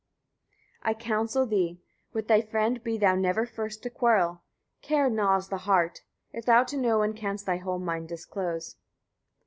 123. I counsel thee, etc. With thy friend be thou never first to quarrel. Care gnaws the heart, if thou to no one canst thy whole mind disclose.